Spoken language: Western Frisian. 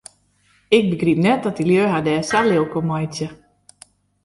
Ik begryp net dat de lju har dêr sa lilk om meitsje.